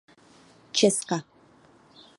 Česka.